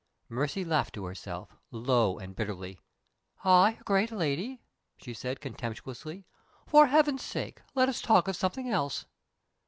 Mercy laughed to herself low and bitterly. "I a great lady!" she said, contemptuously. "For Heaven's sake, let us talk of something else!"